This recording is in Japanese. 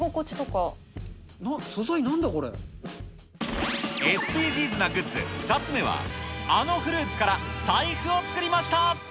素材、ＳＤＧｓなグッズ、２つ目は、あのフルーツから財布を作りました。